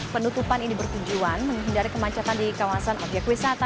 penutupan ini bertujuan menghindari kemacetan di kawasan objek wisata